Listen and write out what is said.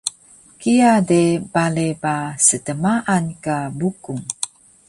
Kiya de bale ba stmaan ka Bukung